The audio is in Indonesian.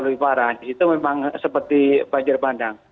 itu memang seperti banjir pandang